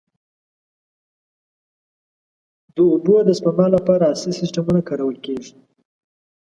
د اوبو د سپما لپاره عصري سیستمونه کارول کېږي.